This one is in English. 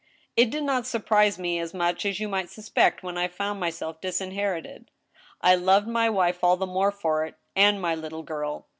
It did not surprise me as much as you might suspect when I found myself disinherited. I loved my wife all the more for it— and my little girl.